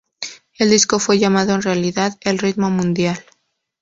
El disco fue llamado en realidad "El ritmo mundial.